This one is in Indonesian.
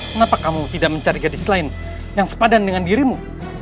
kenapa kamu tidak mencari gadis lain yang sepadan dengan dirimu